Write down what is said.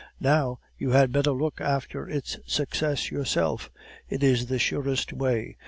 Now, you had better look after its success yourself; it is the surest way.